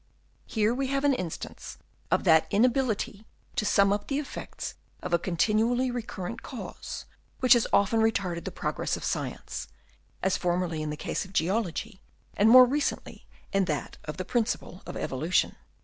Here we have an instance of that inability to sum up the effects of a continually recurrent cause, which has often retarded the progress of science, as formerly in the case of geology, and more recently in that of the principle of evolution.